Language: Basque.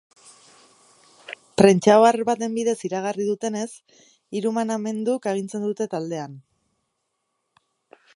Prentsa ohar baten bidez iragarri dutenez, hiru manamenduk agintzen dute taldean.